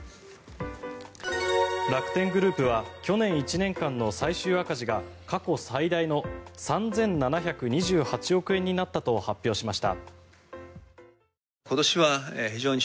楽天グループは去年１年間の最終赤字が過去最大の３７２８億円になったと発表しました。